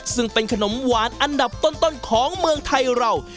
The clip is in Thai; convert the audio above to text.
ซึ่งเป็นขนมหวานอันดับต้นของเมืองไทยเรา